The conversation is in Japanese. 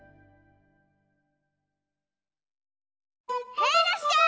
へいいらっしゃい！